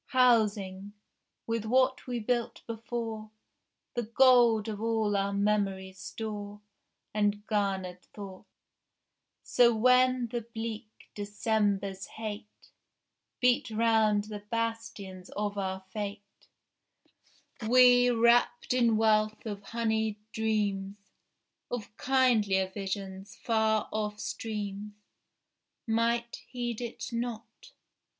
Housing, with what we built before, The gold of all our memory's store And garnered thought; So when the bleak December's hate Beat round the bastions of our fate, We, wrapt in wealth of honeyed dreams Of kindlier visions, far off streams, Might heed it not.